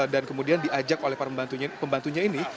dan kemudian diajak oleh pembantunya ini